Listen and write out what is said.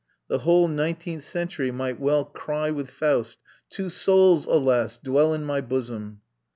The whole nineteenth century might well cry with Faust: "Two souls, alas, dwell in my bosom!"